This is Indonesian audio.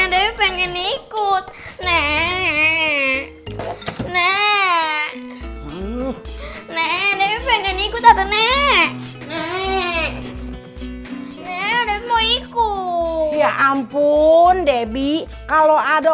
nek nek pengen ikut nek nek nek pengen ikut atau nek nek nek mau ikut ya ampun debbie kalau ada